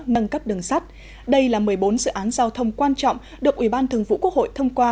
nâng cấp đường sắt đây là một mươi bốn dự án giao thông quan trọng được ủy ban thường vụ quốc hội thông qua